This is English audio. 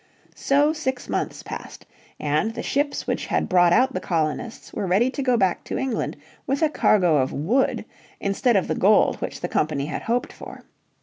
So six months passed, and the ships which had brought out the colonists were ready to go back to England with a cargo of wood instead of the gold which the Company had hoped for.